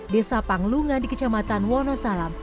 desa panglungan di kecamatan wonosalam